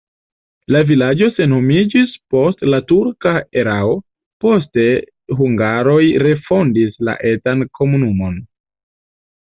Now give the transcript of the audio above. La vilaĝo senhomiĝis post la turka erao, poste hungaroj refondis la etan komunumo.